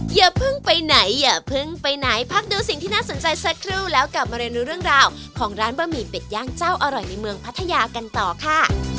อย่าเพิ่งไปไหนอย่าเพิ่งไปไหนพักดูสิ่งที่น่าสนใจสักครู่แล้วกลับมาเรียนรู้เรื่องราวของร้านบะหมี่เป็ดย่างเจ้าอร่อยในเมืองพัทยากันต่อค่ะ